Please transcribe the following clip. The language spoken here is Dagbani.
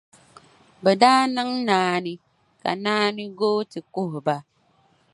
Bɛ daa niŋ naani, ka naani goo ti kuhi ba.